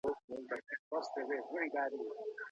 ابليس هغه ته وايي، چي تا ډير ستر کار کړی دی.